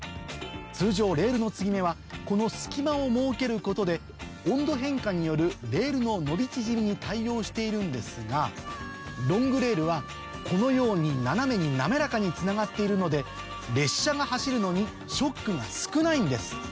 通常レールの継ぎ目はこの隙間を設けることで温度変化によるレールの伸び縮みに対応しているんですがロングレールはこのように斜めに滑らかにつながっているので列車が走るのにショックが少ないんです。